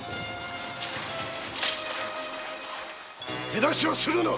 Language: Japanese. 手出しをするな！